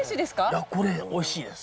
いやこれおいしいです。